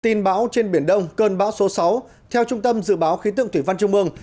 tin bão trên biển đông cơn bão số sáu theo trung tâm dự báo khí tượng thủy văn trung mương